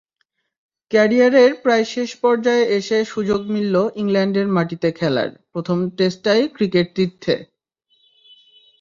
ক্যারিয়ারের প্রায় শেষ পর্যায়ে এসে সুযোগ মিলল ইংল্যান্ডের মাটিতে খেলার, প্রথম টেস্টটাই ক্রিকেট-তীর্থে।